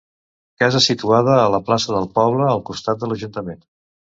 Casa situada a la plaça del poble, al costat de l'ajuntament.